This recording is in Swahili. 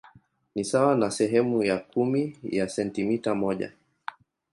Ni sawa na sehemu ya kumi ya sentimita moja.